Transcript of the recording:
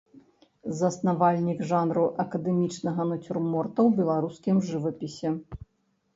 Заснавальнік жанру акадэмічнага нацюрморта ў беларускім жывапісе.